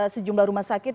sejumlah rumah sakit